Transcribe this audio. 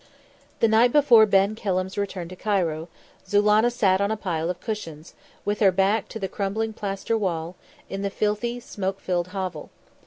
The night before Ben Kelham's return to Cairo, Zulannah sat on a pile of cushions, with her back to the crumbling plaster wall, in the filthy, smoke filled hovel.